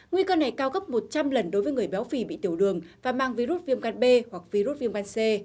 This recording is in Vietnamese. nguy cơ này cao gấp một trăm linh lần đối với người béo phì bị tiểu đường và mang virus viêm gan b hoặc virus viêm gan c